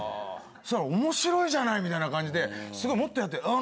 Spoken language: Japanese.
そしたらおもしろいじゃないみたいな感じですごいもっとやって。